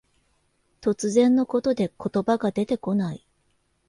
突然のことで言葉が出てこない。